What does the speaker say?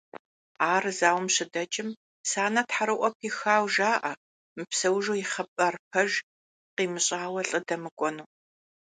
Ар зауэм щыдэкӏым, Санэ тхьэрыӏуэ пихауэ жаӏэ мыпсэужу и хъыбар пэж къимыщӏауэ лӏы дэмыкӏуэну.